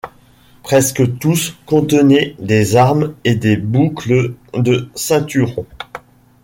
Presque tous contenaient des armes et des boucles de ceinturons.